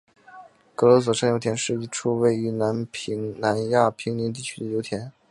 格罗索山油田是一处位于南亚平宁地区的油田。